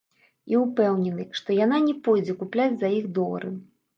І ўпэўнены, што яна не пойдзе купляць за іх долары.